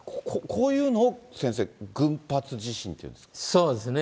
こういうのを先生、群発地震ってそうですね。